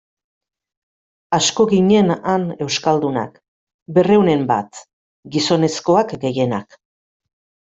Asko ginen han euskaldunak, berrehunen bat, gizonezkoak gehienak.